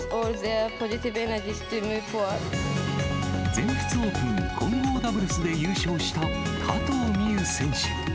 全仏オープン混合ダブルスで優勝した加藤未唯選手。